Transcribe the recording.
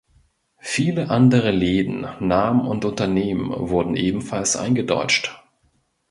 Viele andere Läden, Namen und Unternehmen wurden ebenfalls eingedeutscht.